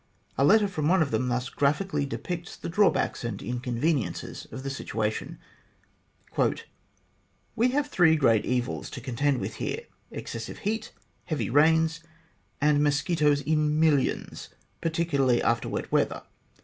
A letter from one of them thus graphically depicts the drawbacks and inconveniences of the situa tion :" We have three great evils to contend with here excessive heat, heavy rains, and mosquitoes in millions, particularly after wet weather.